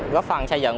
góp phần xây dựng